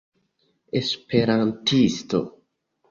esperantisto